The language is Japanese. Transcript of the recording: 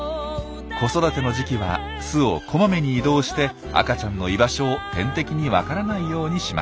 子育ての時期は巣をこまめに移動して赤ちゃんの居場所を天敵に分からないようにします。